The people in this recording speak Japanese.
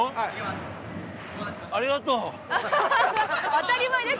「当たり前です！」